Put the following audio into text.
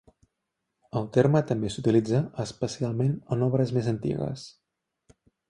El terme també s'utilitza, especialment en obres més antigues.